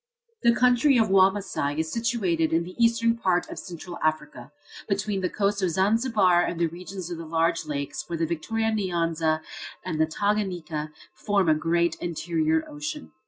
The country of Wamasai is situated in the eastern part of Central Africa, between the coast of Zanzibar and the regions of the large lakes, where the Victoria Nyanza and the Tanganiyka form a great interior ocean.